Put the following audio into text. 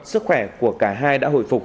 sức khỏe của cả hai đã hồi phục